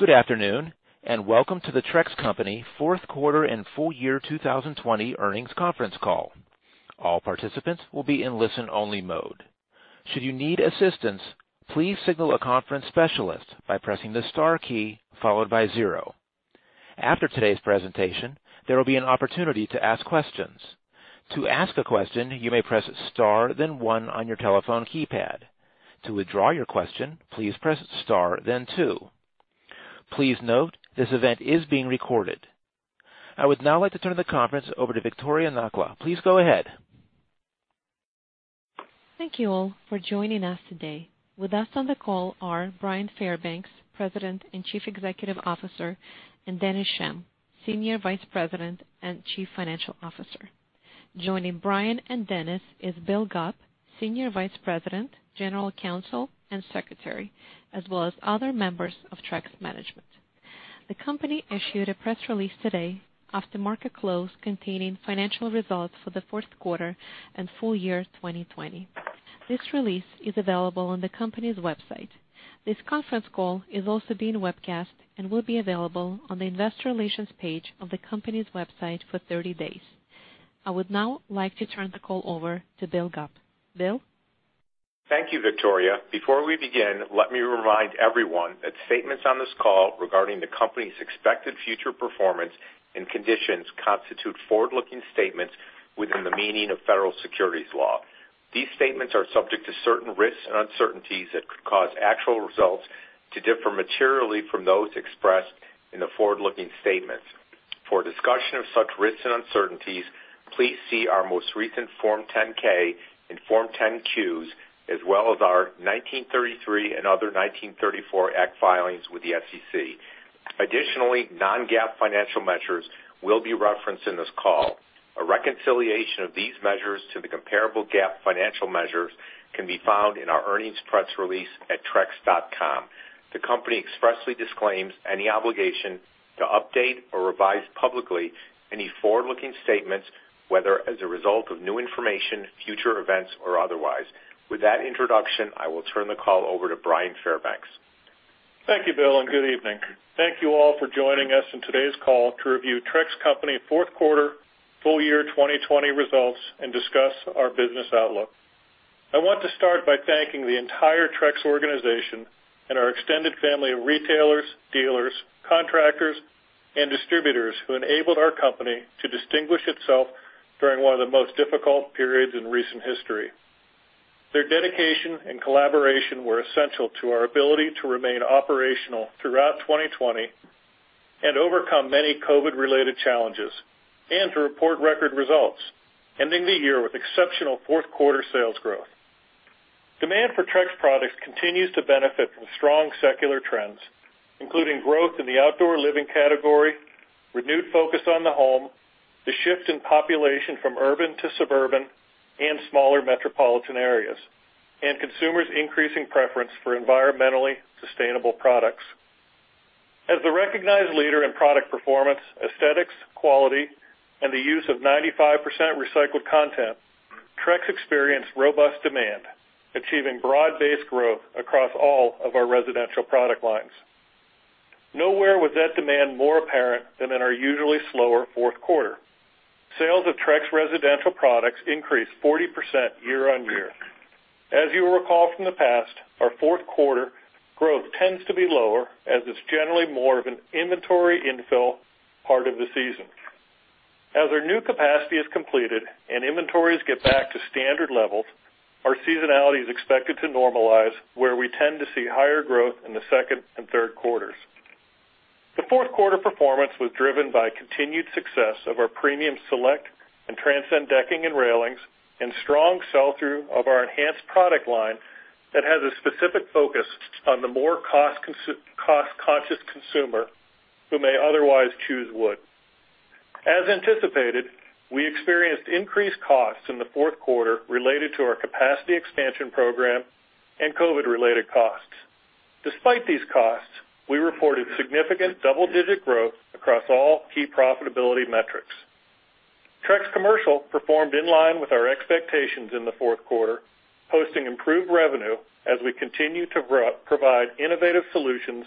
Good afternoon, and welcome to the Trex Company Fourth Quarter and Full Year 2020 Earnings Conference Call. All participants will be in listen-only mode. Should you need assistance, please signal a conference specialist by pressing the star key followed by zero. After today's presentation, there will be an opportunity to ask questions. To ask a question, you may press star, then one on your telephone keypad. To withdraw your question, please press star, then two. Please note this event is being recorded. I would now like to turn the conference over to Victoriia Nakhla. Please go ahead. Thank you all for joining us today. With us on the call are Bryan Fairbanks, President and Chief Executive Officer, and Dennis Schemm, Senior Vice President and Chief Financial Officer. Joining Bryan and Dennis is Bill Gupp, Senior Vice President, General Counsel, and Secretary, as well as other members of Trex Management. The company issued a press release today after market close containing financial results for the fourth quarter and full year 2020. This release is available on the company's website. This conference call is also being webcast and will be available on the investor relations page of the company's website for 30 days. I would now like to turn the call over to Bill Gupp. Bill? Thank you, Victoria. Before we begin, let me remind everyone that statements on this call regarding the company's expected future performance and conditions constitute forward-looking statements within the meaning of federal securities law. These statements are subject to certain risks and uncertainties that could cause actual results to differ materially from those expressed in the forward-looking statements. For discussion of such risks and uncertainties, please see our most recent Form 10-K and Form 10-Qs, as well as our 1933 and other 1934 Act filings with the SEC. Additionally, non-GAAP financial measures will be referenced in this call. A reconciliation of these measures to the comparable GAAP financial measures can be found in our earnings press release at trex.com. The company expressly disclaims any obligation to update or revise publicly any forward-looking statements, whether as a result of new information, future events, or otherwise. With that introduction, I will turn the call over to Bryan Fairbanks. Thank you, Bill, and good evening. Thank you all for joining us in today's call to review Trex Company fourth quarter full year 2020 results and discuss our business outlook. I want to start by thanking the entire Trex organization and our extended family of retailers, dealers, contractors, and distributors who enabled our company to distinguish itself during one of the most difficult periods in recent history. Their dedication and collaboration were essential to our ability to remain operational throughout 2020 and overcome many COVID-19-related challenges, and to report record results, ending the year with exceptional fourth quarter sales growth. Demand for Trex products continues to benefit from strong secular trends, including growth in the outdoor living category, renewed focus on the home, the shift in population from urban to suburban and smaller metropolitan areas, and consumers' increasing preference for environmentally sustainable products. As the recognized leader in product performance, aesthetics, quality, and the use of 95% recycled content, Trex experienced robust demand, achieving broad-based growth across all of our residential product lines. Nowhere was that demand more apparent than in our usually slower fourth quarter. Sales of Trex residential products increased 40% year on year. As you will recall from the past, our fourth quarter growth tends to be lower as it's generally more of an inventory infill part of the season. As our new capacity is completed and inventories get back to standard levels, our seasonality is expected to normalize, where we tend to see higher growth in the second and third quarters. The fourth quarter performance was driven by continued success of our premium Select and Transcend decking and railings, and strong sell-through of our Enhance product line that has a specific focus on the more cost-conscious consumer who may otherwise choose wood. As anticipated, we experienced increased costs in the fourth quarter related to our capacity expansion program and COVID-19-related costs. Despite these costs, we reported significant double-digit growth across all key profitability metrics. Trex Commercial performed in line with our expectations in the fourth quarter, posting improved revenue as we continue to provide innovative solutions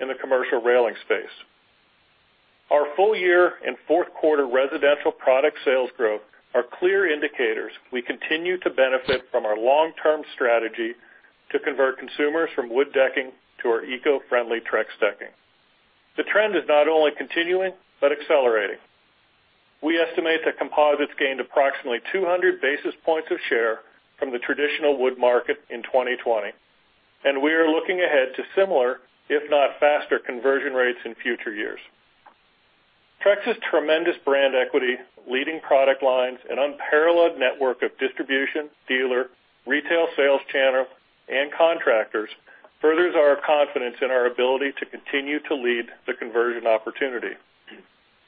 in the commercial railing space. Our full year and fourth quarter residential product sales growth are clear indicators we continue to benefit from our long-term strategy to convert consumers from wood decking to our eco-friendly Trex decking. The trend is not only continuing but accelerating. We estimate that composites gained approximately 200 basis points of share from the traditional wood market in 2020, and we are looking ahead to similar, if not faster, conversion rates in future years. Trex's tremendous brand equity, leading product lines, and unparalleled network of distribution, dealer, retail sales channel, and contractors furthers our confidence in our ability to continue to lead the conversion opportunity.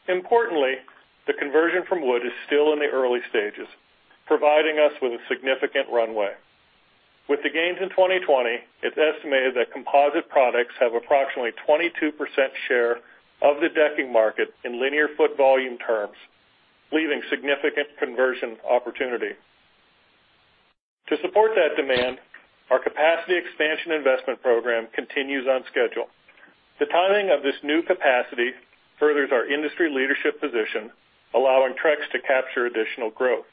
Importantly, the conversion from wood is still in the early stages, providing us with a significant runway. With the gains in 2020, it's estimated that composite products have approximately 22% share of the decking market in linear foot volume terms, leaving significant conversion opportunity. To support that demand, our capacity expansion investment program continues on schedule. The timing of this new capacity furthers our industry leadership position, allowing Trex to capture additional growth.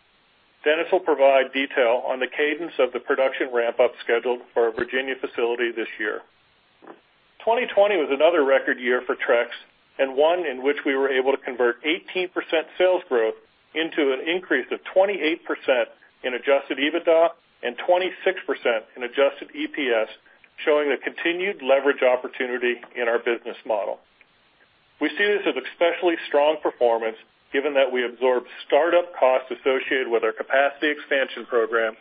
Dennis will provide detail on the cadence of the production ramp-up scheduled for our Virginia facility this year. 2020 was another record year for Trex, and one in which we were able to convert 18% sales growth into an increase of 28% in adjusted EBITDA and 26% in adjusted EPS, showing a continued leverage opportunity in our business model. We see this as especially strong performance, given that we absorbed startup costs associated with our capacity expansion program,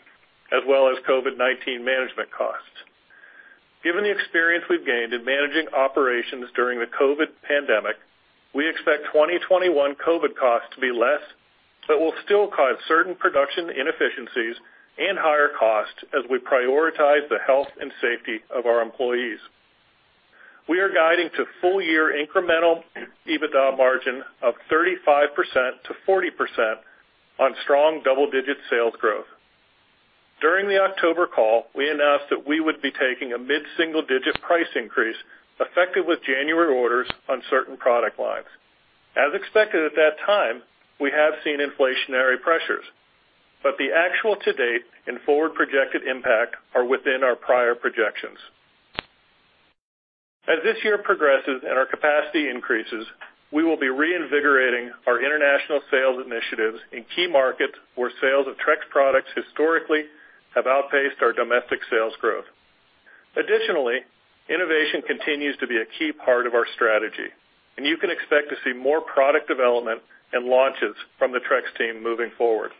as well as COVID-19 management costs. Given the experience we've gained in managing operations during the COVID pandemic, we expect 2021 COVID costs to be less, but will still cause certain production inefficiencies and higher costs as we prioritize the health and safety of our employees. We are guiding to full-year incremental EBITDA margin of 35% to 40% on strong double-digit sales growth. During the October call, we announced that we would be taking a mid-single-digit price increase effective with January orders on certain product lines. As expected at that time, we have seen inflationary pressures, but the actual to-date and forward-projected impact are within our prior projections. As this year progresses and our capacity increases, we will be reinvigorating our international sales initiatives in key markets where sales of Trex products historically have outpaced our domestic sales growth. Additionally, innovation continues to be a key part of our strategy, and you can expect to see more product development and launches from the Trex team moving forward.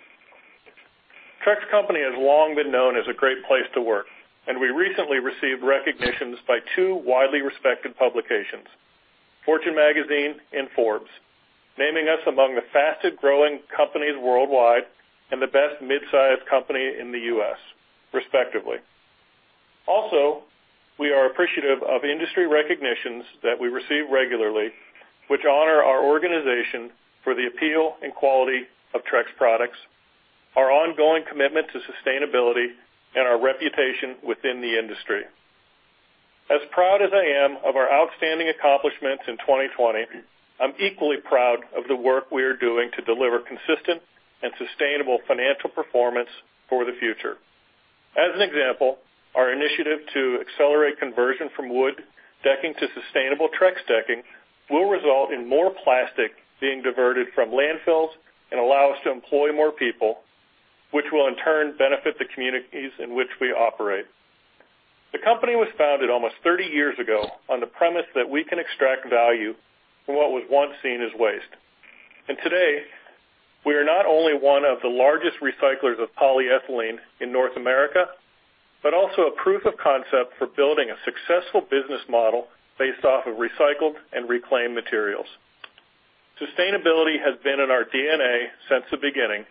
Trex Company has long been known as a great place to work, and we recently received recognitions by two widely respected publications, Fortune Magazine and Forbes, naming us among the fastest-growing companies worldwide and the best mid-sized company in the U.S., respectively. Also, we are appreciative of industry recognitions that we receive regularly, which honor our organization for the appeal and quality of Trex products, our ongoing commitment to sustainability, and our reputation within the industry. As proud as I am of our outstanding accomplishments in 2020, I'm equally proud of the work we are doing to deliver consistent and sustainable financial performance for the future. As an example, our initiative to accelerate conversion from wood decking to sustainable Trex decking will result in more plastic being diverted from landfills and allow us to employ more people, which will in turn benefit the communities in which we operate. The company was founded almost 30 years ago on the premise that we can extract value from what was once seen as waste. Today, we are not only one of the largest recyclers of polyethylene in North America, but also a proof of concept for building a successful business model based off of recycled and reclaimed materials. Sustainability has been in our DNA since the beginning,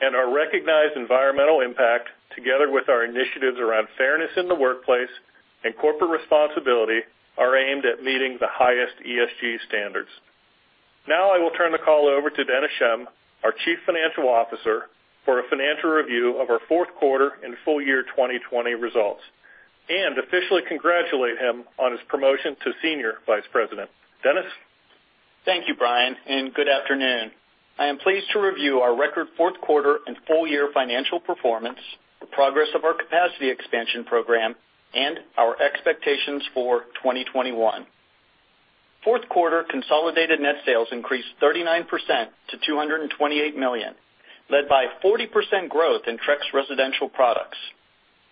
and our recognized environmental impact, together with our initiatives around fairness in the workplace and corporate responsibility, are aimed at meeting the highest ESG standards. I will now turn the call over to Dennis Schemm, our Chief Financial Officer, for a financial review of our fourth quarter and full year 2020 results, and officially congratulate him on his promotion to Senior Vice President. Dennis? Thank you, Bryan, and good afternoon. I am pleased to review our record fourth quarter and full year financial performance, the progress of our capacity expansion program, and our expectations for 2021. Fourth quarter consolidated net sales increased 39% to $228 million, led by 40% growth in Trex Residential products.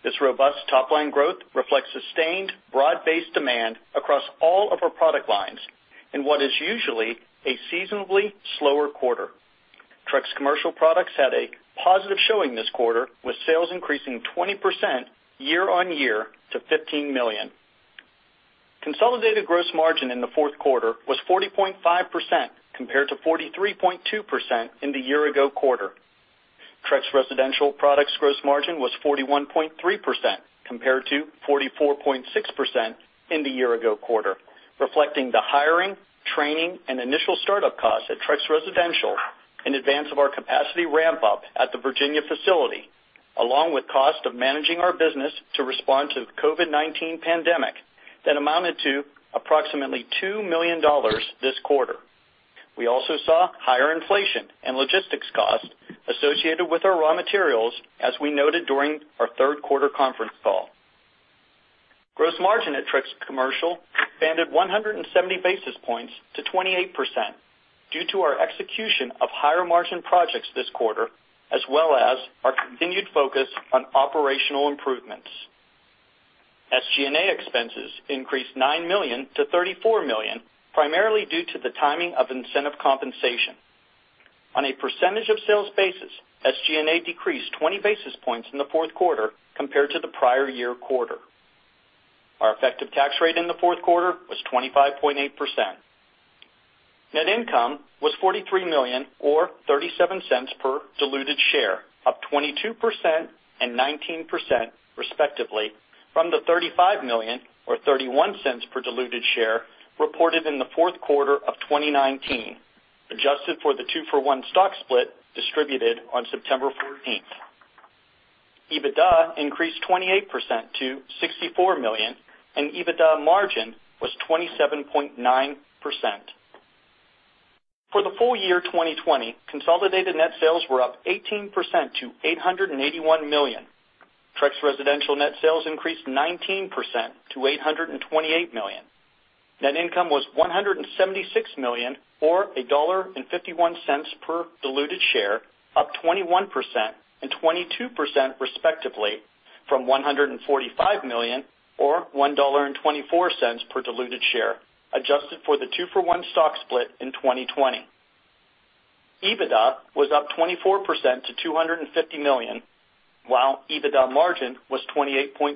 This robust top-line growth reflects sustained broad-based demand across all of our product lines in what is usually a seasonably slower quarter. Trex Commercial products had a positive showing this quarter, with sales increasing 20% year-on-year to $15 million. Consolidated gross margin in the fourth quarter was 40.5% compared to 43.2% in the year-ago quarter. Trex Residential products' gross margin was 41.3% compared to 44.6% in the year-ago quarter, reflecting the hiring, training, and initial startup costs at Trex Residential in advance of our capacity ramp-up at the Virginia facility, along with costs of managing our business to respond to the COVID-19 pandemic that amounted to approximately $2 million this quarter. We also saw higher inflation and logistics costs associated with our raw materials, as we noted during our third quarter conference call. Gross margin at Trex Commercial expanded 170 basis points to 28% due to our execution of higher-margin projects this quarter, as well as our continued focus on operational improvements. SG&A expenses increased $9 million to $34 million, primarily due to the timing of incentive compensation. On a percentage of sales basis, SG&A decreased 20 basis points in the fourth quarter compared to the prior year quarter. Our effective tax rate in the fourth quarter was 25.8%. Net income was $43 million, or $0.37 per diluted share, up 22% and 19%, respectively, from the $35 million, or $0.31 per diluted share, reported in the fourth quarter of 2019, adjusted for the two-for-one stock split distributed on September 14. EBITDA increased 28% to $64 million, and EBITDA margin was 27.9%. For the full year 2020, consolidated net sales were up 18% to $881 million. Trex Residential net sales increased 19% to $828 million. Net income was $176 million, or $1.51 per diluted share, up 21% and 22%, respectively, from $145 million, or $1.24 per diluted share, adjusted for the two-for-one stock split in 2020. EBITDA was up 24% to $250 million, while EBITDA margin was 28.6%.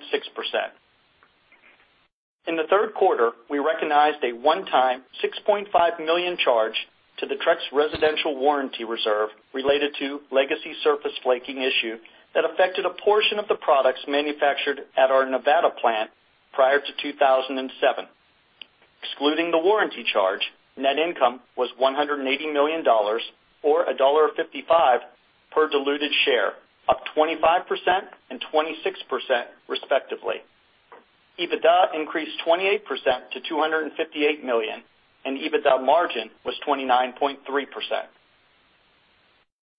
In the third quarter, we recognized a one-time $6.5 million charge to the Trex Residential warranty reserve related to a legacy surface flaking issue that affected a portion of the products manufactured at our Nevada plant prior to 2007. Excluding the warranty charge, net income was $180 million, or $1.55 per diluted share, up 25% and 26%, respectively. EBITDA increased 28% to $258 million, and EBITDA margin was 29.3%.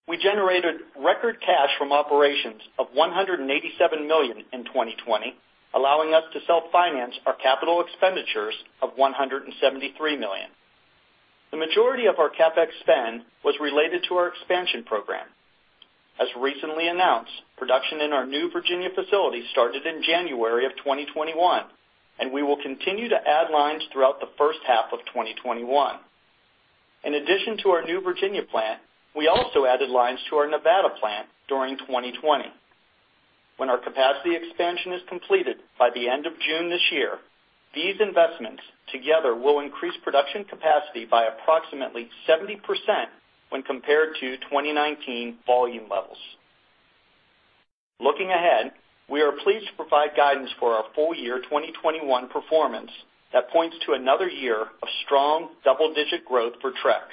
We generated record cash from operations of $187 million in 2020, allowing us to self-finance our capital expenditures of $173 million. The majority of our CapEx spend was related to our expansion program. As recently announced, production in our new Virginia facility started in January of 2021, and we will continue to add lines throughout the first half of 2021. In addition to our new Virginia plant, we also added lines to our Nevada plant during 2020. When our capacity expansion is completed by the end of June this year, these investments together will increase production capacity by approximately 70% when compared to 2019 volume levels. Looking ahead, we are pleased to provide guidance for our full year 2021 performance that points to another year of strong double-digit growth for Trex.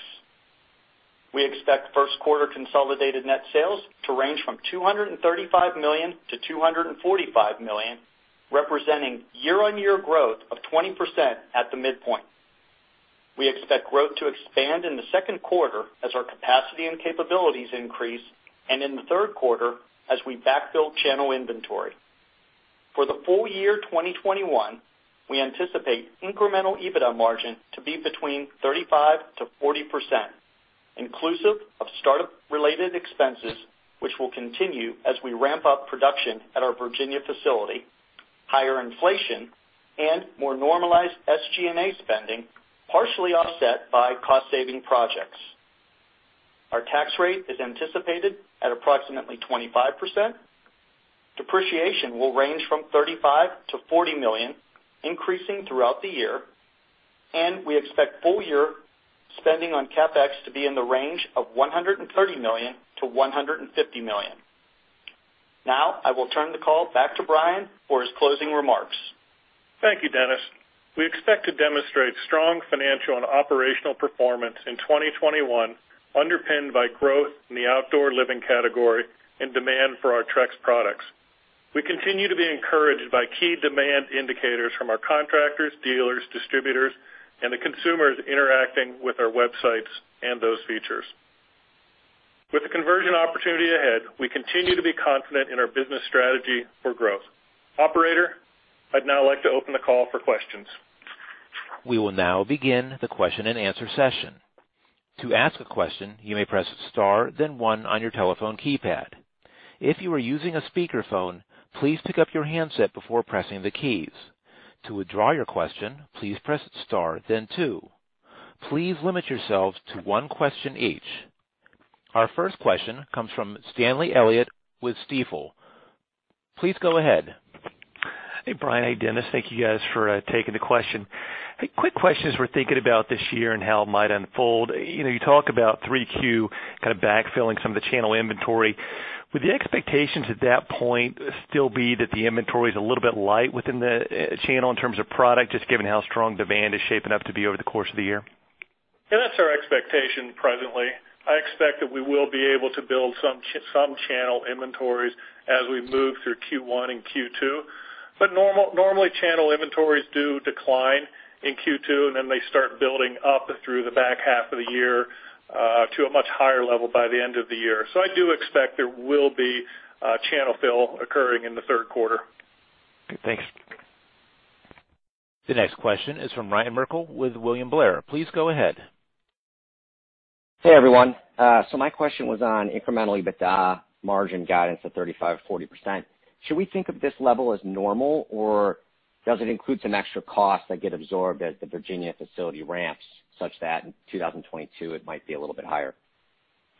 We expect first quarter consolidated net sales to range from $235 million-$245 million, representing year-on-year growth of 20% at the midpoint. We expect growth to expand in the second quarter as our capacity and capabilities increase, and in the third quarter as we backfill channel inventory. For the full year 2021, we anticipate incremental EBITDA margin to be between 35% to 40%, inclusive of startup-related expenses, which will continue as we ramp up production at our Virginia facility, higher inflation, and more normalized SG&A spending, partially offset by cost-saving projects. Our tax rate is anticipated at approximately 25%. Depreciation will range from $35 million-$40 million, increasing throughout the year, and we expect full year spending on CapEx to be in the range of $130 million-$150 million. Now, I will turn the call back to Bryan for his closing remarks. Thank you, Dennis. We expect to demonstrate strong financial and operational performance in 2021, underpinned by growth in the outdoor living category and demand for our Trex products. We continue to be encouraged by key demand indicators from our contractors, dealers, distributors, and the consumers interacting with our websites and those features. With the conversion opportunity ahead, we continue to be confident in our business strategy for growth. Operator, I'd now like to open the call for questions. We will now begin the question-and-answer session. To ask a question, you may press star, then one on your telephone keypad. If you are using a speakerphone, please pick up your handset before pressing the keys. To withdraw your question, please press star, then two. Please limit yourselves to one question each. Our first question comes from Stanley Elliott with Stifel. Please go ahead. Hey, Bryan. Hey, Dennis. Thank you, guys, for taking the question. Hey, quick question as we're thinking about this year and how it might unfold. You talk about 3Q kind of backfilling some of the channel inventory. Would the expectations at that point still be that the inventory is a little bit light within the channel in terms of product, just given how strong demand is shaping up to be over the course of the year? Yeah, that's our expectation presently. I expect that we will be able to build some channel inventories as we move through Q1 and Q2. Normally, channel inventories do decline in Q2, and then they start building up through the back half of the year to a much higher level by the end of the year. I do expect there will be channel fill occurring in the third quarter. Thanks. The next question is from Ryan Merkel with William Blair. Please go ahead. Hey, everyone. My question was on incremental EBITDA margin guidance at 35% to 40%. Should we think of this level as normal, or does it include some extra costs that get absorbed at the Virginia facility ramps such that in 2022 it might be a little bit higher?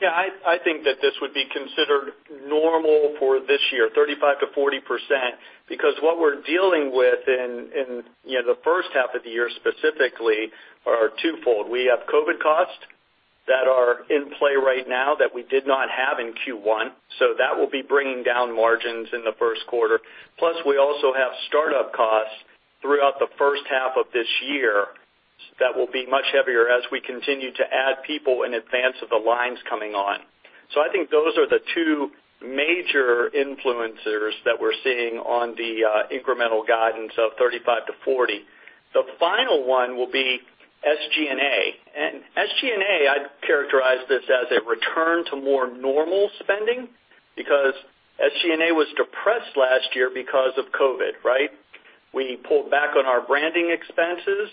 Yeah, I think that this would be considered normal for this year, 35% to 40%, because what we're dealing with in the first half of the year specifically are twofold. We have COVID costs that are in play right now that we did not have in Q1, so that will be bringing down margins in the first quarter. Plus, we also have startup costs throughout the first half of this year that will be much heavier as we continue to add people in advance of the lines coming on. I think those are the two major influencers that we're seeing on the incremental guidance of 35% to 40%. The final one will be SG&A. SG&A, I'd characterize this as a return to more normal spending because SG&A was depressed last year because of COVID, right? We pulled back on our branding expenses,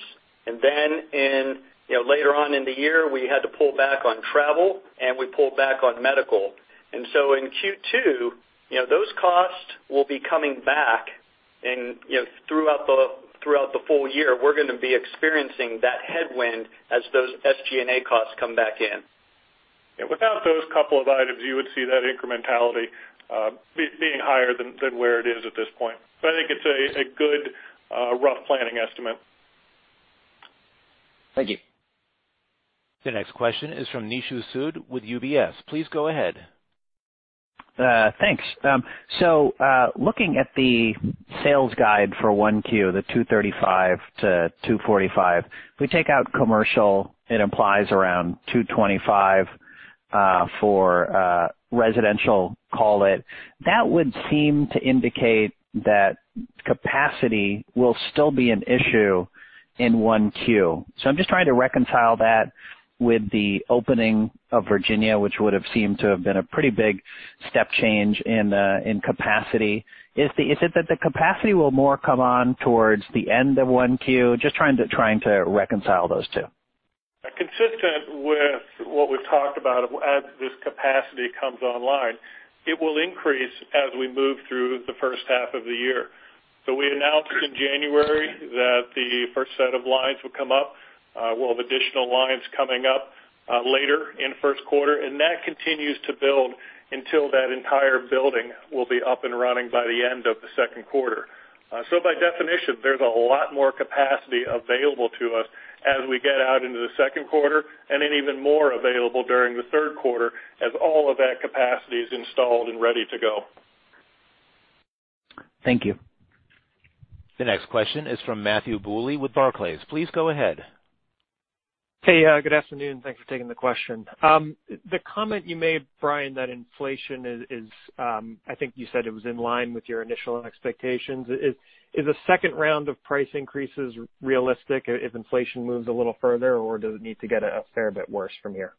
and then later on in the year, we had to pull back on travel, and we pulled back on medical. In Q2, those costs will be coming back, and throughout the full year, we're going to be experiencing that headwind as those SG&A costs come back in. Yeah, without those couple of items, you would see that incrementality being higher than where it is at this point. I think it's a good, rough planning estimate. Thank you. The next question is from Nishu Sood with UBS. Please go ahead. Thanks. Looking at the sales guide for 1Q, the $235-$245, if we take out commercial, it implies around $225 for residential, call it. That would seem to indicate that capacity will still be an issue in 1Q. I am just trying to reconcile that with the opening of Virginia, which would have seemed to have been a pretty big step change in capacity. Is it that the capacity will more come on towards the end of 1Q? I am just trying to reconcile those two. Consistent with what we've talked about as this capacity comes online, it will increase as we move through the first half of the year. We announced in January that the first set of lines would come up. We'll have additional lines coming up later in the first quarter, and that continues to build until that entire building will be up and running by the end of the second quarter. By definition, there's a lot more capacity available to us as we get out into the second quarter, and then even more available during the third quarter as all of that capacity is installed and ready to go. Thank you. The next question is from Matthew Bouley with Barclays. Please go ahead. Hey, good afternoon. Thanks for taking the question. The comment you made, Bryan, that inflation is, I think you said it was in line with your initial expectations, is a second round of price increases realistic if inflation moves a little further, or does it need to get a fair bit worse from here?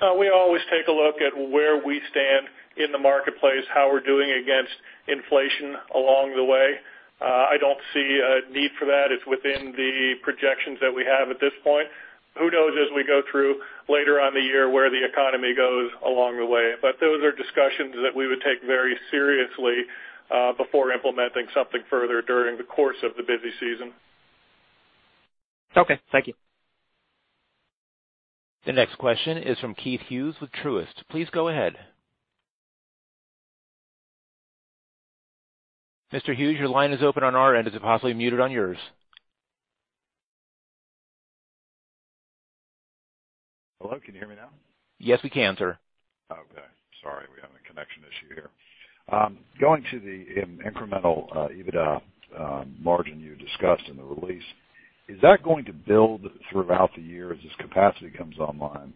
We always take a look at where we stand in the marketplace, how we're doing against inflation along the way. I don't see a need for that. It's within the projections that we have at this point. Who knows as we go through later on in the year where the economy goes along the way? Those are discussions that we would take very seriously before implementing something further during the course of the busy season. Okay. Thank you. The next question is from Keith Hughes with Truist. Please go ahead. Mr. Hughes, your line is open on our end. Is it possibly muted on yours? Hello. Can you hear me now? Yes, we can, sir. Okay. Sorry. We have a connection issue here. Going to the incremental EBITDA margin you discussed in the release, is that going to build throughout the year as this capacity comes online?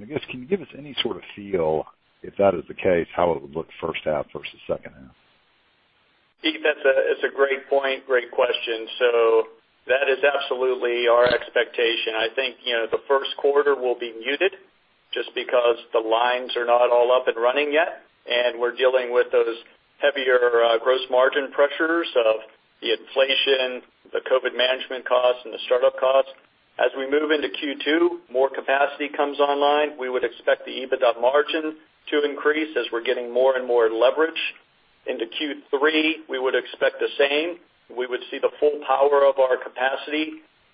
I guess, can you give us any sort of feel, if that is the case, how it would look first half versus second half? That's a great point, great question. That is absolutely our expectation. I think the first quarter will be muted just because the lines are not all up and running yet, and we're dealing with those heavier gross margin pressures of the inflation, the COVID management costs, and the startup costs. As we move into Q2, more capacity comes online, we would expect the EBITDA margin to increase as we're getting more and more leverage. Into Q3, we would expect the same. We would see the full power of our capacity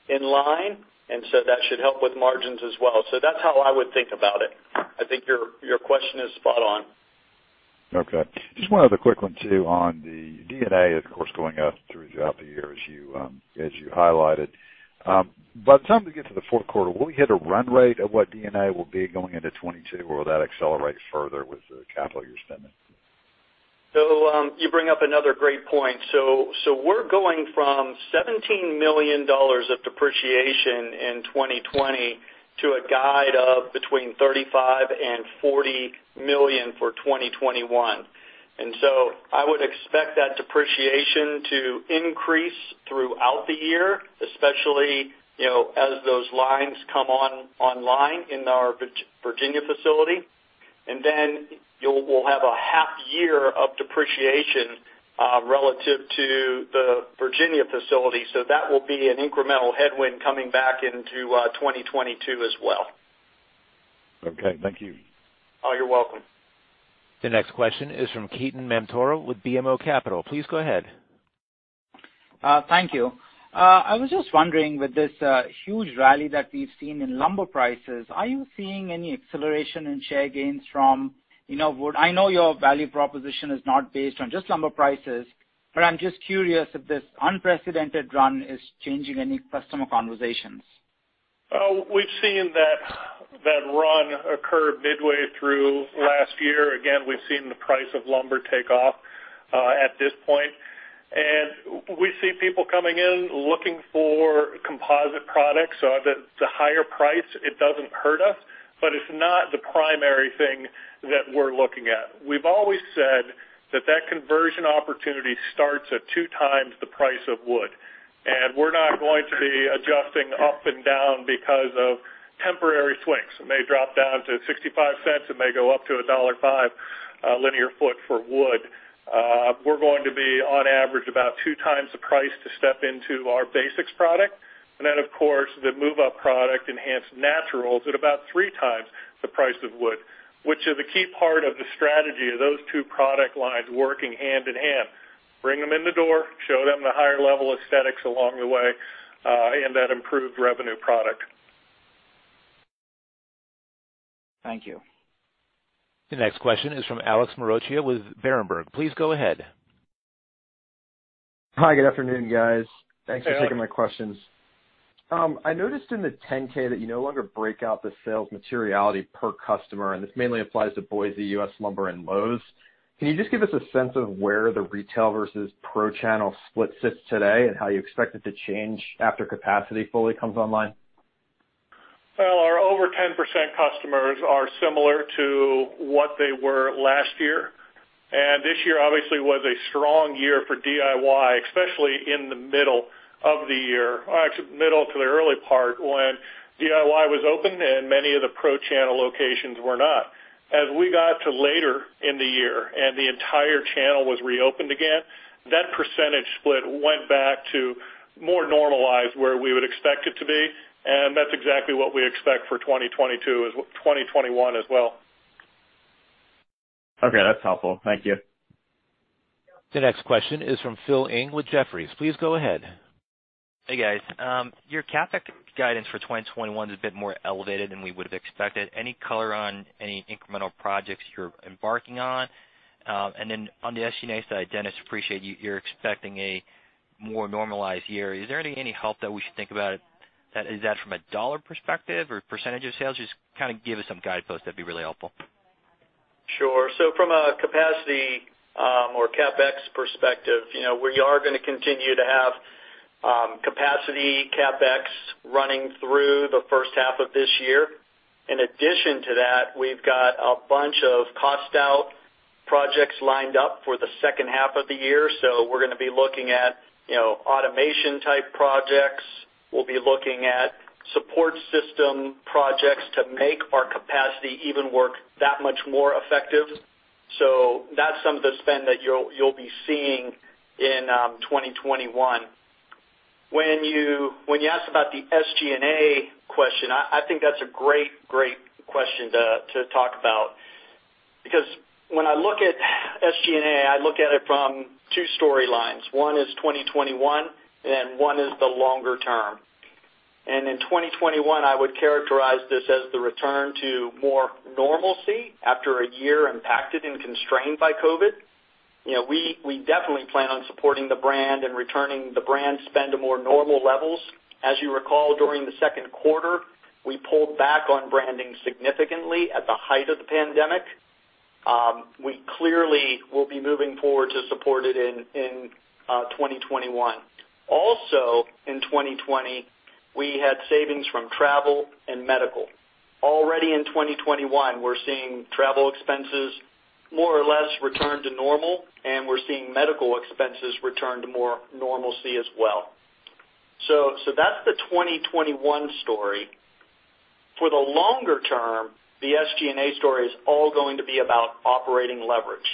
in line, and that should help with margins as well. That is how I would think about it. I think your question is spot on. Okay. Just one other quick one too on the D&A, of course, going up throughout the year as you highlighted. By the time we get to the fourth quarter, will we hit a run rate of what D&A will be going into 2022, or will that accelerate further with the capital you're spending? You bring up another great point. We're going from $17 million of depreciation in 2020 to a guide of between $35 million and $40 million for 2021. I would expect that depreciation to increase throughout the year, especially as those lines come online in our Virginia facility. We'll have a half year of depreciation relative to the Virginia facility. That will be an incremental headwind coming back into 2022 as well. Okay. Thank you. Oh, you're welcome. The next question is from Ketan Mamtora with BMO Capital. Please go ahead. Thank you. I was just wondering, with this huge rally that we've seen in lumber prices, are you seeing any acceleration in share gains from I know your value proposition is not based on just lumber prices, but I'm just curious if this unprecedented run is changing any customer conversations. We've seen that run occur midway through last year. Again, we've seen the price of lumber take off at this point. We see people coming in looking for composite products. The higher price, it doesn't hurt us, but it's not the primary thing that we're looking at. We've always said that that conversion opportunity starts at two times the price of wood. We're not going to be adjusting up and down because of temporary swings. It may drop down to $0.65, it may go up to $1.05 linear foot for wood. We're going to be, on average, about two times the price to step into our basics product. Of course, the move-up product, Enhance Naturals, at about three times the price of wood, which is a key part of the strategy of those two product lines working hand in hand. Bring them in the door, show them the higher level aesthetics along the way, and that improved revenue product. Thank you. The next question is from Alex Maroccia with Berenberg. Please go ahead. Hi, good afternoon, guys. Thanks for taking my questions. I noticed in the 10-K that you no longer break out the sales materiality per customer, and this mainly applies to both, U.S. Lumber, and Lowe's. Can you just give us a sense of where the retail versus pro channel split sits today and how you expect it to change after capacity fully comes online? Our over 10% customers are similar to what they were last year. This year obviously was a strong year for DIY, especially in the middle of the year, actually middle to the early part when DIY was open and many of the pro channel locations were not. As we got to later in the year and the entire channel was reopened again, that percentage split went back to more normalized where we would expect it to be. That's exactly what we expect for 2022, 2021 as well. Okay. That's helpful. Thank you. The next question is from Phil Ng with Jefferies. Please go ahead. Hey, guys. Your CapEx guidance for 2021 is a bit more elevated than we would have expected. Any color on any incremental projects you're embarking on? On the SG&A side, Dennis, appreciate you're expecting a more normalized year. Is there any help that we should think about? Is that from a dollar perspective or percentage of sales? Just kind of give us some guideposts. That'd be really helpful. Sure. From a capacity or CapEx perspective, we are going to continue to have capacity CapEx running through the first half of this year. In addition to that, we've got a bunch of cost-out projects lined up for the second half of the year. We are going to be looking at automation-type projects. We will be looking at support system projects to make our capacity even work that much more effective. That is some of the spend that you will be seeing in 2021. When you asked about the SG&A question, I think that is a great, great question to talk about. Because when I look at SG&A, I look at it from two storylines. One is 2021, and then one is the longer term. In 2021, I would characterize this as the return to more normalcy after a year impacted and constrained by COVID-19. We definitely plan on supporting the brand and returning the brand spend to more normal levels. As you recall, during the second quarter, we pulled back on branding significantly at the height of the pandemic. We clearly will be moving forward to support it in 2021. Also, in 2020, we had savings from travel and medical. Already in 2021, we're seeing travel expenses more or less return to normal, and we're seeing medical expenses return to more normalcy as well. That's the 2021 story. For the longer term, the SG&A story is all going to be about operating leverage.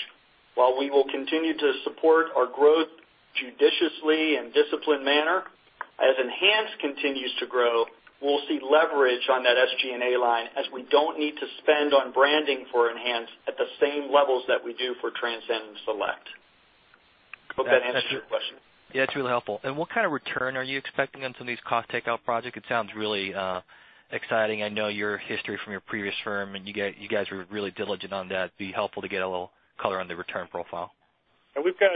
While we will continue to support our growth judiciously in a disciplined manner, as Enhance continues to grow, we'll see leverage on that SG&A line as we don't need to spend on branding for Enhance at the same levels that we do for Transcend and Select. Hope that answers your question. Yeah, it's really helpful. What kind of return are you expecting on some of these cost-take-out projects? It sounds really exciting. I know your history from your previous firm, and you guys were really diligent on that. It'd be helpful to get a little color on the return profile. We've got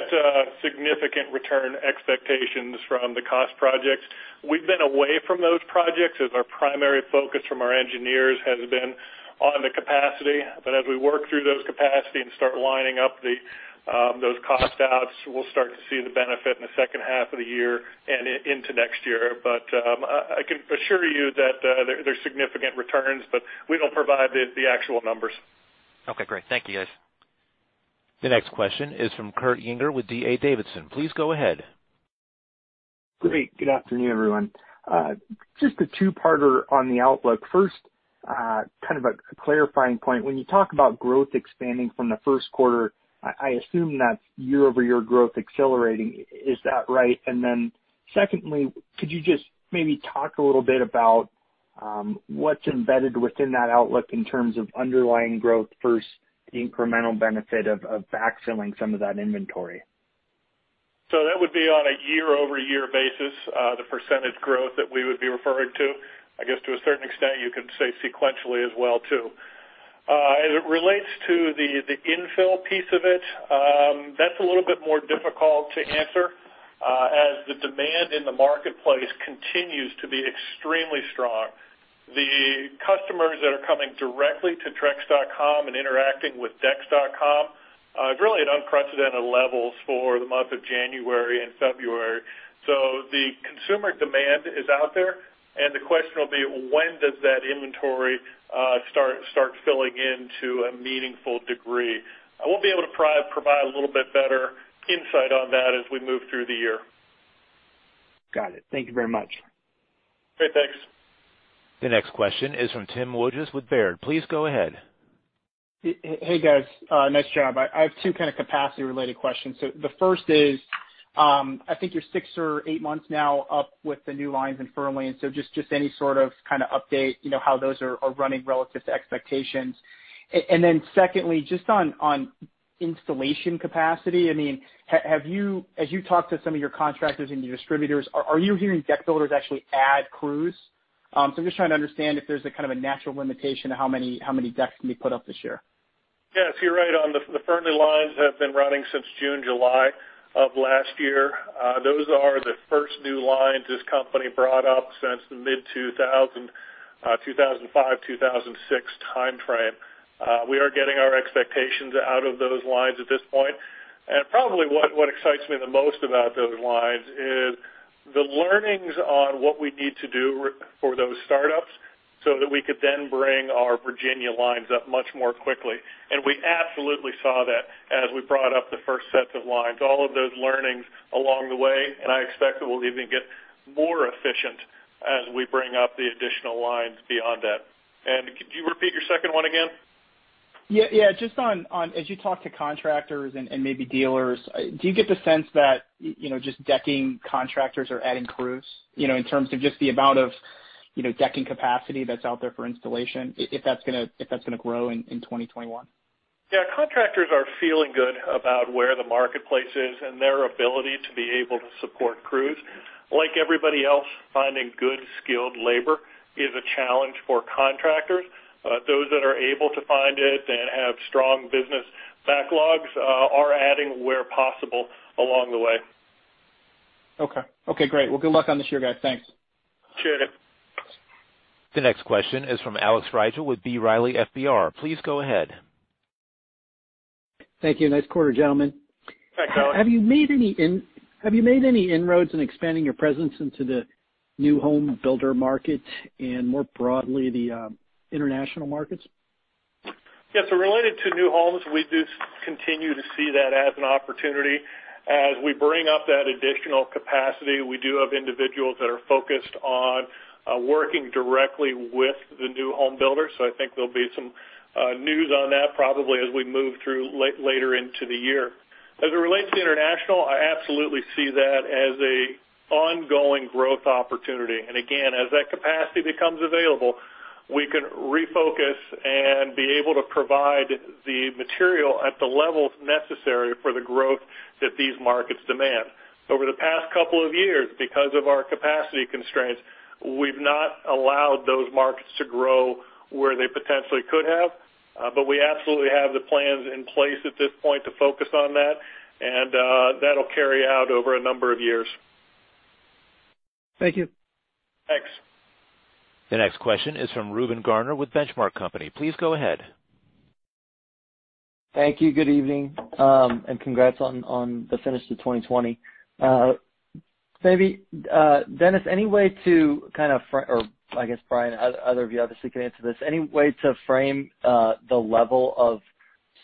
significant return expectations from the cost projects. We've been away from those projects as our primary focus from our engineers has been on the capacity. As we work through those capacity and start lining up those cost-outs, we'll start to see the benefit in the second half of the year and into next year. I can assure you that there are significant returns, but we don't provide the actual numbers. Okay. Great. Thank you, guys. The next question is from Kurt Yinger with D.A. Davidson. Please go ahead. Great. Good afternoon, everyone. Just a two-parter on the outlook. First, kind of a clarifying point. When you talk about growth expanding from the first quarter, I assume that's year-over-year growth accelerating. Is that right? Could you just maybe talk a little bit about what's embedded within that outlook in terms of underlying growth versus the incremental benefit of backfilling some of that inventory? That would be on a year-over-year basis, the percentage growth that we would be referring to. I guess to a certain extent, you could say sequentially as well too. As it relates to the infill piece of it, that's a little bit more difficult to answer as the demand in the marketplace continues to be extremely strong. The customers that are coming directly to Trex.com and interacting with Trex.com is really at unprecedented levels for the month of January and February. The consumer demand is out there, and the question will be, when does that inventory start filling into a meaningful degree? I won't be able to provide a little bit better insight on that as we move through the year. Got it. Thank you very much. Great. Thanks. The next question is from Tim Wjos with Baird. Please go ahead. Hey, guys. Nice job. I have two kind of capacity-related questions. The first is, I think you're six or eight months now up with the new lines and firmly. Just any sort of kind of update, how those are running relative to expectations. Secondly, just on installation capacity, I mean, as you talk to some of your contractors and your distributors, are you hearing deck builders actually add crews? I'm just trying to understand if there's a kind of a natural limitation of how many decks can be put up this year. Yeah. You're right on. The Fairlane lines have been running since June, July of last year. Those are the first new lines this company brought up since the mid-2000, 2005, 2006 timeframe. We are getting our expectations out of those lines at this point. Probably what excites me the most about those lines is the learnings on what we need to do for those startups so that we could then bring our Virginia lines up much more quickly. We absolutely saw that as we brought up the first set of lines. All of those learnings along the way, and I expect that we'll even get more efficient as we bring up the additional lines beyond that. Could you repeat your second one again? Yeah. Just on, as you talk to contractors and maybe dealers, do you get the sense that just decking contractors are adding crews in terms of just the amount of decking capacity that's out there for installation, if that's going to grow in 2021? Yeah. Contractors are feeling good about where the marketplace is and their ability to be able to support crews. Like everybody else, finding good skilled labor is a challenge for contractors. Those that are able to find it and have strong business backlogs are adding where possible along the way. Okay. Okay. Great. Good luck on this year, guys. Thanks. Cheers. The next question is from Alex Rygiel with B. Riley FBR. Please go ahead. Thank you. Nice quarter, gentlemen. Thanks, Alex. Have you made any inroads in expanding your presence into the new home builder market and more broadly the international markets? Yeah. Related to new homes, we do continue to see that as an opportunity. As we bring up that additional capacity, we do have individuals that are focused on working directly with the new home builders. I think there'll be some news on that probably as we move through later into the year. As it relates to international, I absolutely see that as an ongoing growth opportunity. Again, as that capacity becomes available, we can refocus and be able to provide the material at the levels necessary for the growth that these markets demand. Over the past couple of years, because of our capacity constraints, we've not allowed those markets to grow where they potentially could have. We absolutely have the plans in place at this point to focus on that, and that'll carry out over a number of years. Thank you. Thanks. The next question is from Reuben Garner with The Benchmark Company. Please go ahead. Thank you. Good evening, and congrats on the finish to 2020. Maybe, Dennis, any way to kind of—or I guess Bryan and either of you obviously can answer this—any way to frame the level of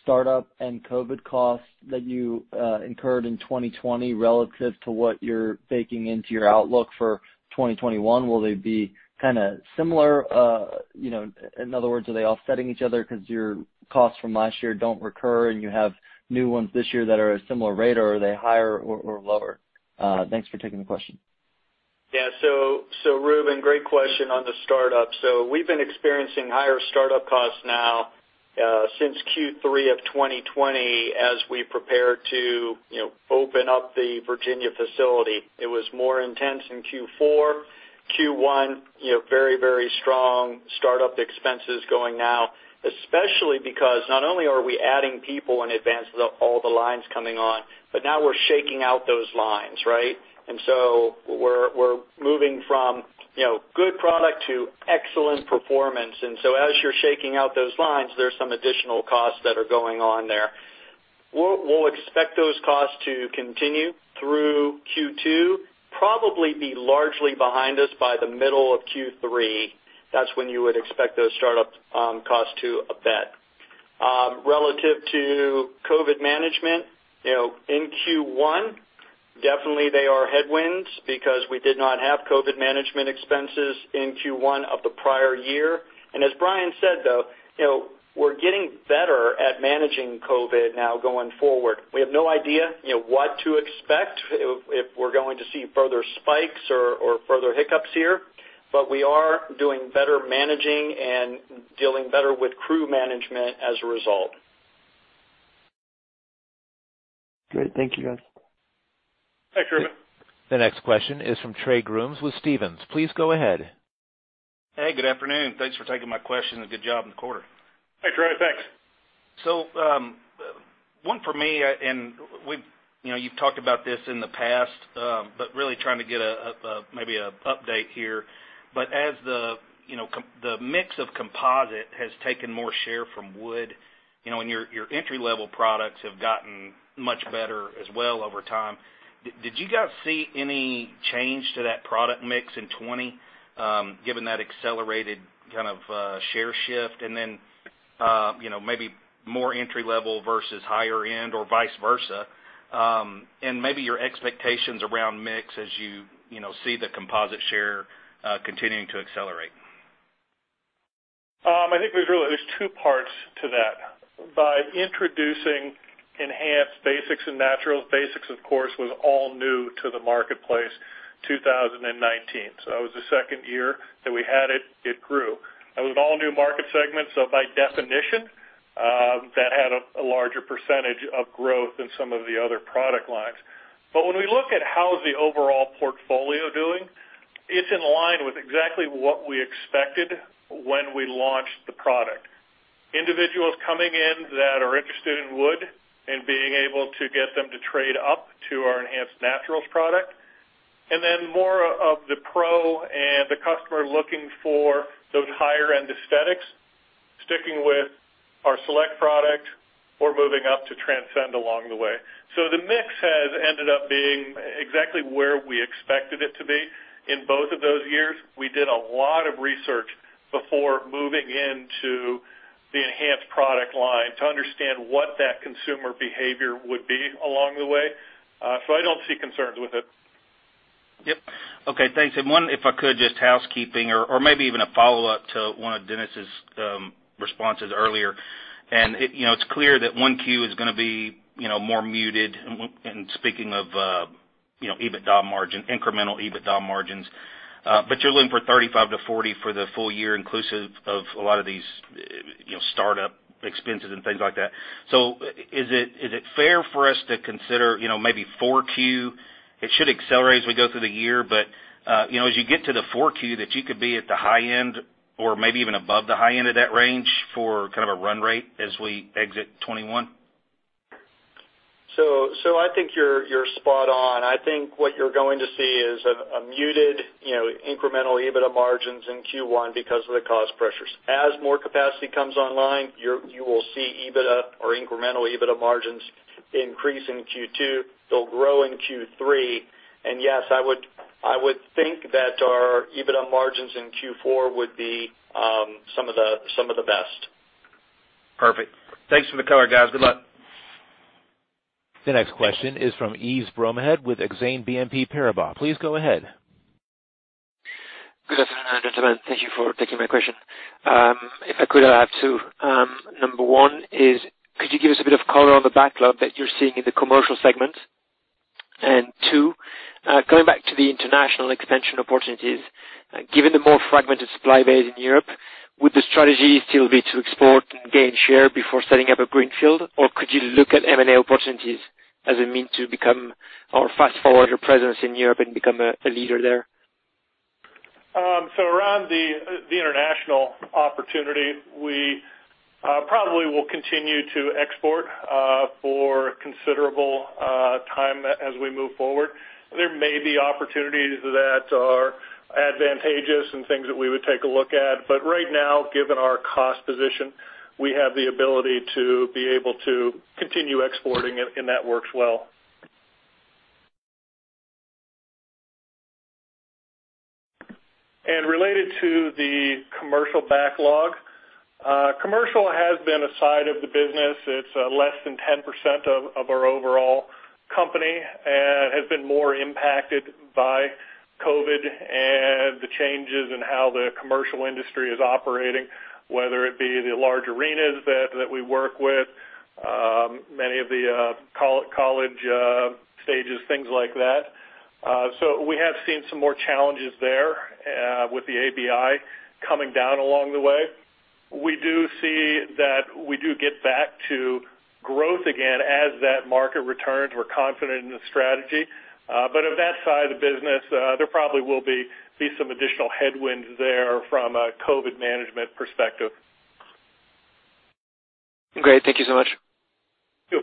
startup and COVID costs that you incurred in 2020 relative to what you're baking into your outlook for 2021? Will they be kind of similar? In other words, are they offsetting each other because your costs from last year don't recur and you have new ones this year that are at a similar rate, or are they higher or lower? Thanks for taking the question. Yeah. Reuben, great question on the startup. We've been experiencing higher startup costs now since Q3 of 2020 as we prepare to open up the Virginia facility. It was more intense in Q4. Q1, very, very strong startup expenses going now, especially because not only are we adding people in advance of all the lines coming on, but now we're shaking out those lines, right? We're moving from good product to excellent performance. As you're shaking out those lines, there's some additional costs that are going on there. We'll expect those costs to continue through Q2, probably be largely behind us by the middle of Q3. That's when you would expect those startup costs to abate. Relative to COVID management, in Q1, definitely they are headwinds because we did not have COVID management expenses in Q1 of the prior year. As Bryan said, though, we're getting better at managing COVID now going forward. We have no idea what to expect if we're going to see further spikes or further hiccups here, but we are doing better managing and dealing better with crew management as a result. Great. Thank you, guys. Thanks, Reuben. The next question is from Trey Grooms with Stephens. Please go ahead. Hey, good afternoon. Thanks for taking my question. Good job in the quarter. Hey, Trey. Thanks. One for me, and you've talked about this in the past, but really trying to get maybe an update here. As the mix of composite has taken more share from wood and your entry-level products have gotten much better as well over time, did you guys see any change to that product mix in 2020, given that accelerated kind of share shift and then maybe more entry-level versus higher-end or vice versa? Maybe your expectations around mix as you see the composite share continuing to accelerate? I think there's two parts to that. By introducing Enhance Basics and Naturals Basics, of course, was all new to the marketplace in 2019. That was the second year that we had it. It grew. That was an all-new market segment. By definition, that had a largerpercentage of growth than some of the other product lines. When we look at how is the overall portfolio doing, it's in line with exactly what we expected when we launched the product. Individuals coming in that are interested in wood and being able to get them to trade up to our Enhance Naturals product. More of the pro and the customer looking for those higher-end aesthetics, sticking with our Select product or moving up to Transcend along the way. The mix has ended up being exactly where we expected it to be in both of those years. We did a lot of research before moving into the Enhance product line to understand what that consumer behavior would be along the way. I don't see concerns with it. Yep. Okay. Thanks. One, if I could, just housekeeping or maybe even a follow-up to one of Dennis's responses earlier. It is clear that 1Q is going to be more muted. Speaking of EBITDA margin, incremental EBITDA margins, you are looking for 35% to 40% for the full year inclusive of a lot of these startup expenses and things like that. Is it fair for us to consider maybe 4Q? It should accelerate as we go through the year. As you get to the 4Q, could you be at the high end or maybe even above the high end of that range for kind of a run rate as we exit 2021? I think you're spot on. I think what you're going to see is a muted incremental EBITDA margins in Q1 because of the cost pressures. As more capacity comes online, you will see EBITDA or incremental EBITDA margins increase in Q2. They'll grow in Q3. Yes, I would think that our EBITDA margins in Q4 would be some of the best. Perfect. Thanks for the color, guys. Good luck. The next question is from Yves Bromehead with Exane BNP Paribas. Please go ahead. Good afternoon, gentlemen. Thank you for taking my question. If I could, I have two. Number one is, could you give us a bit of color on the backlog that you're seeing in the commercial segment? And two, coming back to the international expansion opportunities, given the more fragmented supply base in Europe, would the strategy still be to export and gain share before setting up a greenfield, or could you look at M&A opportunities as a means to become or fast-forward your presence in Europe and become a leader there? Around the international opportunity, we probably will continue to export for considerable time as we move forward. There may be opportunities that are advantageous and things that we would take a look at. Right now, given our cost position, we have the ability to be able to continue exporting if that works well. Related to the commercial backlog, commercial has been a side of the business. It is less than 10% of our overall company and has been more impacted by COVID-19 and the changes in how the commercial industry is operating, whether it be the large arenas that we work with, many of the college stages, things like that. We have seen some more challenges there with the ABI coming down along the way. We do see that we do get back to growth again as that market returns. We are confident in the strategy. On that side of the business, there probably will be some additional headwinds there from a COVID-19 management perspective. Great. Thank you so much. Cool.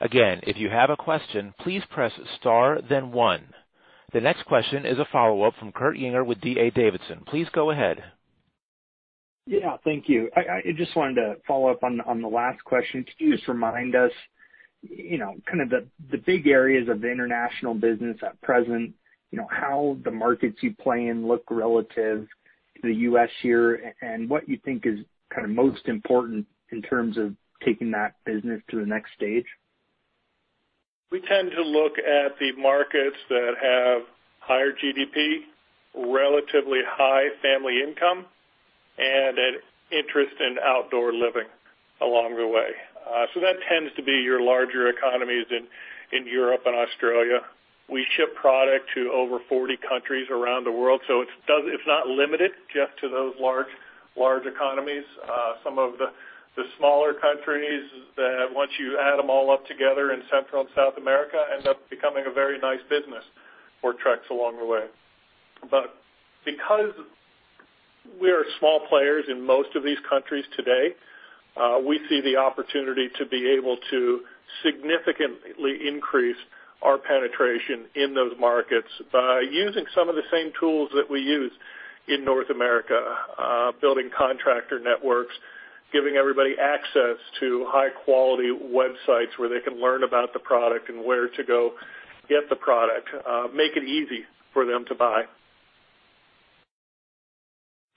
Again, if you have a question, please press star, then one. The next question is a follow-up from Kurt Yinger with D.A. Davidson. Please go ahead. Yeah. Thank you. I just wanted to follow up on the last question. Could you just remind us kind of the big areas of the international business at present, how the markets you play in look relative to the U.S. here, and what you think is kind of most important in terms of taking that business to the next stage? We tend to look at the markets that have higher GDP, relatively high family income, and an interest in outdoor living along the way. That tends to be your larger economies in Europe and Australia. We ship product to over 40 countries around the world. It is not limited just to those large economies. Some of the smaller countries, once you add them all up together in Central and South America, end up becoming a very nice business for Trex along the way. Because we are small players in most of these countries today, we see the opportunity to be able to significantly increase our penetration in those markets by using some of the same tools that we use in North America, building contractor networks, giving everybody access to high-quality websites where they can learn about the product and where to go get the product, make it easy for them to buy.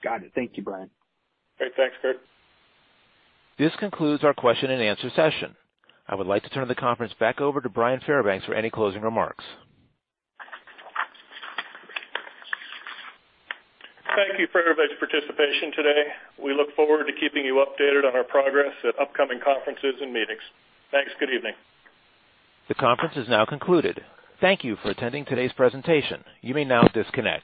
Got it. Thank you, Bryan. Great. Thanks, Curt. This concludes our question and answer session. I would like to turn the conference back over to Bryan Fairbanks for any closing remarks. Thank you for everybody's participation today. We look forward to keeping you updated on our progress at upcoming conferences and meetings. Thanks. Good evening. The conference is now concluded. Thank you for attending today's presentation. You may now disconnect.